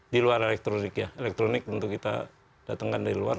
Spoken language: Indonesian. di luar elektronik ya elektronik tentu kita datangkan dari luar